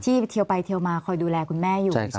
ที่เทียวไปเทียวมาคอยดูแลคุณแม่อยู่ใช่ไหมคะ